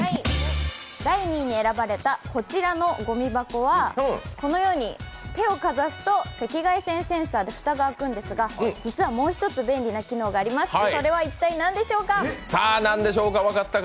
第２位に選ばれたこちらのごみ箱はこのように手をかざすと赤外線センサーで蓋が開くんですが実はもう一つ、便利な機能があります、それは一体何でしょうか？